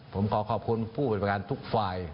ผมขอขอบคุณผู้เป็นประการทุกฝ่าย